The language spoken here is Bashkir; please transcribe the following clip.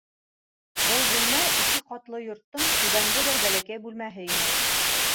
Был бүлмә ике ҡатлы йорттоң түбәнге бер бәләкәй бүлмәһе ине.